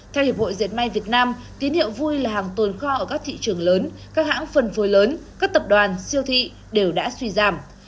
theo hiệp hội diệt may việt nam tín hiệu vui là hàng tồn kho ở các thị trường lớn các hãng phân phối lớn các tập đoàn siêu thị đều đã suy giảm